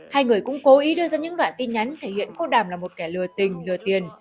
hai người cũng cố ý đưa ra những đoạn tin nhắn thể hiện quốc đàm là một kẻ lừa tình lừa tiền